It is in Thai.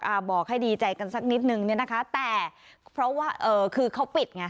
บอกให้ดีใจกันสักนิดนึงเนี่ยนะคะแต่เพราะว่าเอ่อคือเขาปิดไง